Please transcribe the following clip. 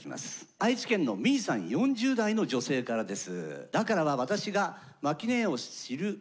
愛知県のみいさん４０代の女性からです。